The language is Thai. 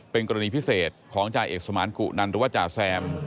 เป็นกรณีพิเศษของจ่าเอกสมานกุนันหรือว่าจ่าแซม